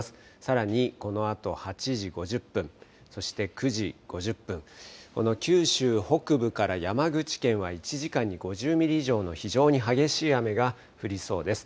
さらにこのあと８時５０分、そして９時５０分、この九州北部から山口県は１時間に５０ミリ以上の非常に激しい雨が降りそうです。